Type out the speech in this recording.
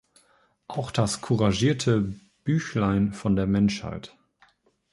Auch das couragierte "Büchlein von der Menschheit.